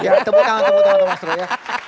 ya temukan temukan temukan mas ro ya